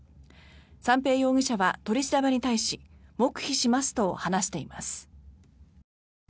三瓶容疑者は取り調べに対し黙秘しますと話しています。